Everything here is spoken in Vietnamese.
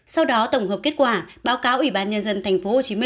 sau đó tổng hợp kết quả báo cáo ủy ban nhân dân tp hcm